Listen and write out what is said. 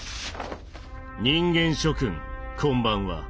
人間諸君こんばんは。